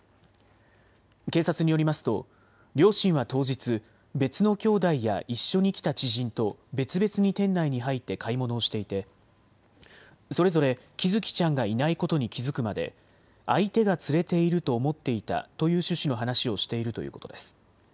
警察によりますと両親は当日、別のきょうだいや一緒に来た知人と別々に店内に入って買い物をしていてそれぞれ喜寿生ちゃんがいないことに気付くまで相手が連れていると思っていたという趣旨の話をしているということです。